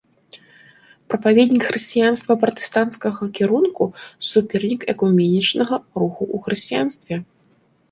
Прапаведнік хрысціянства пратэстанцкага кірунку, супернік экуменічнага руху ў хрысціянстве.